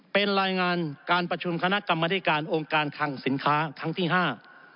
เป็นรายงานการประชุมคณะกรรมธิการองค์การคังสินค้าครั้งที่ห้า